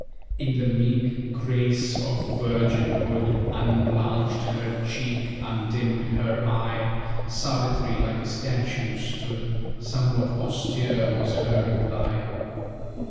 In the meek grace of virginhood Unblanched her cheek, undimmed her eye, Savitri, like a statue, stood, Somewhat austere was her reply.